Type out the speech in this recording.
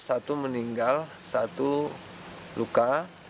satu meninggal satu luka